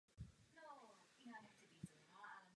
Následně došlo k poklesu počtu poprav.